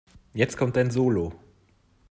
Jetzt kommt dein Solo.